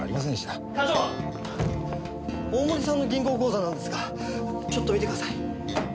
大森さんの銀行口座なんですがちょっと見てください。